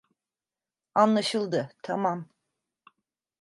Anlaşıldı, tamam.